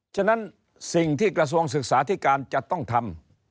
ฉะนั้นสิ่งที่กระทรวงศึกษาธิการจะต้องทำ